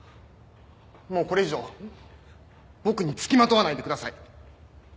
もうこれ以上僕に付きまとわないでください。